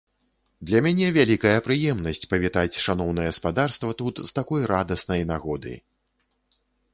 Для мяне вялікая прыемнасць павітаць шаноўнае спадарства тут з такой радаснай нагоды.